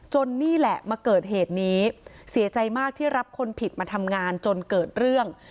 นี่แหละมาเกิดเหตุนี้เสียใจมากที่รับคนผิดมาทำงานจนเกิดเรื่อง